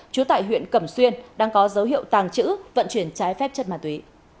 trú tại huyện cẩm xuyên đang có dấu hiệu tàng trữ vận chuyển trái phép chất ma túy